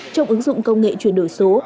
trong ứng dụng công nghệ chuyển đổi số